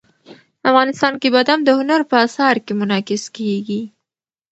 افغانستان کې بادام د هنر په اثار کې منعکس کېږي.